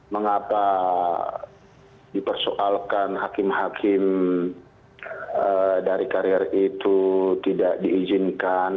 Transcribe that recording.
mengapa dipersoalkan hakim hakim dari karier itu tidak diizinkan